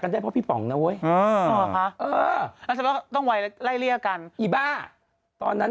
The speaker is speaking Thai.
กันได้เพราะพี่ป๋องนะเว้ยต้องไว้ไล่เรียกกันอีบ้าตอนนั้น